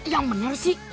yang bener sih